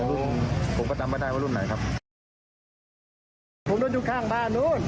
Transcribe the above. ผมผมก็จำไม่ได้ว่ารุ่นไหนครับผมรถอยู่ข้างบ้านนู้น